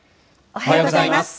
おはようございます。